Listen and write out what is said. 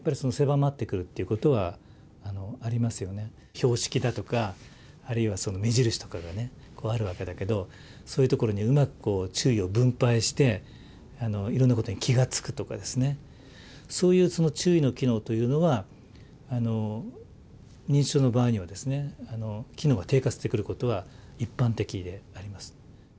標識だとかあるいはその目印とかがねあるわけだけどそういうところにうまく注意を分配していろんなことに気が付くとかそういうその注意の機能というのは認知症の場合には機能が低下してくることは一般的であります。